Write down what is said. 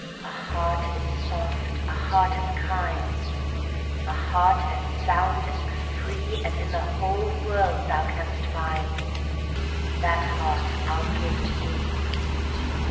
A heart as soft, a heart as kind,A heart as sound and freeAs in the whole world thou canst find, That heart I'll give to thee.